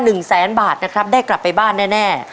หนึ่งแสนบาทนะครับได้กลับไปบ้านแน่แน่